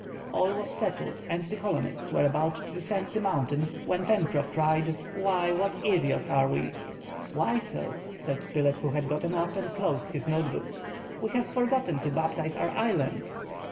All was settled, and the colonists were about to descend the mountain, when Pencroff cried:— "Why, what idiots we are!" "Why so?" said Spilett, who had gotten up and closed his note book. "We have forgotten to baptize our island!"